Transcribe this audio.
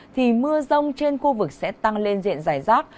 thì mưa rông trên khu vực sẽ tăng lên diện giải rác